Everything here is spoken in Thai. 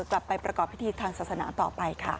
กลับไปประกอบพิธีทางศาสนาต่อไปค่ะ